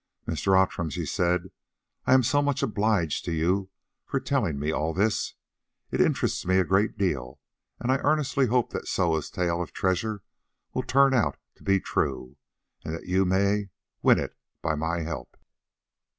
"Mr. Outram," she said, "I am so much obliged to you for telling me all this. It interests me a great deal, and I earnestly hope that Soa's tale of treasure will turn out to be true, and that you may win it by my help.